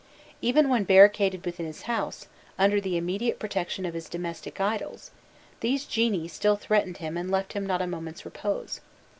Even when barricaded within his house, under the immediate protection of his domestic idols, these genii still threatened him and left him not a moment's repose.